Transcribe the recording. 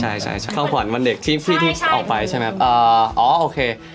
ใช่ใช่เข้าขวัญวันเด็กที่ที่ออกไปใช่ไหมอ่าอ๋อโอเค